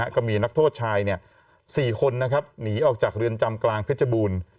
ก็มีนักโทษชาย๔คนหนีออกจากเรือนจำกลางเพชรบูรณ์